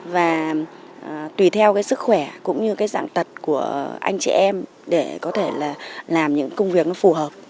và tùy theo sức khỏe cũng như dạng tật của anh chị em để có thể làm những công việc phù hợp